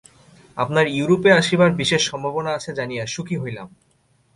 আপনার ইউরোপে আসিবার বিশেষ সম্ভাবনা আছে জানিয়া সুখী হইলাম।